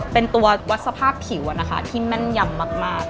เป็นตัววัดสภาพผิวที่แม่นยำมาก